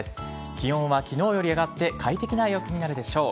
気温はきのうより上がって快適な陽気になるでしょう。